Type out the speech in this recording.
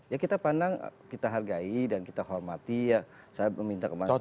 ya kita pandang kita hargai dan kita hormati ya saya meminta ke masyarakat